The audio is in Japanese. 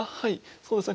そうですね。